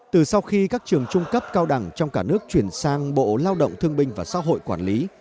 từ sau khi các trường trung cấp cao đẳng trong cả nước chuyển sang bộ lao động thương binh và xã hội quản lý